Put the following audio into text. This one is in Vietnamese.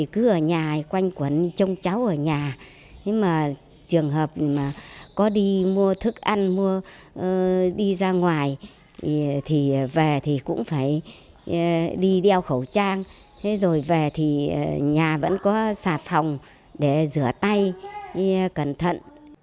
cứ ở nhà quanh quần chung cháu ở nhà trường hợp có đi mua thức ăn đi ra ngoài về thì cũng phải đi đeo khẩu trang về thì nhà vẫn có xà phòng để rửa tay cẩn thận